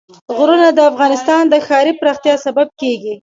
غرونه د افغانستان د ښاري پراختیا سبب کېږي.